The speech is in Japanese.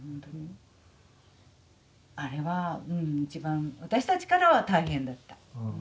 あれは一番私たちからは大変だった。